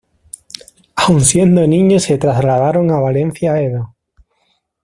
Aun siendo un niño se trasladaron a Valencia Edo.